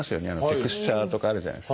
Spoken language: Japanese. テクスチャーとかあるじゃないですか。